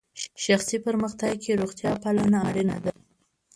شخصي پرمختګ کې روغتیا پالنه اړینه ده.